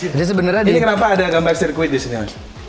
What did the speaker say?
jadi sebenarnya ini kenapa ada gambar sirkuit disini mas